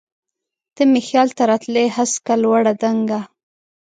ته مي خیال ته راتلی هسکه، لوړه، دنګه